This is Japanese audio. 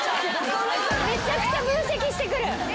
めちゃくちゃ分析してくる。